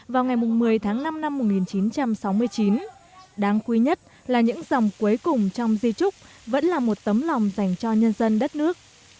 vào ngày một mươi tháng năm năm một nghìn chín trăm sáu mươi chín đáng quý nhất là những dòng cuối cùng trong di trúc vẫn là một tấm lòng dành cho nhân dân đất nước